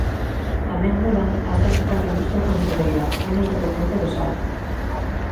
Tamén mudan as técnicas da industria conserveira, menos dependente do sal.